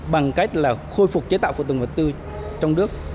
bằng cách là khôi phục chế tạo phụ tùng vật tư trong nước